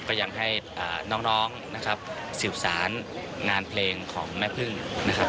ก็ยังให้น้องนะครับสืบสารงานเพลงของแม่พึ่งนะครับ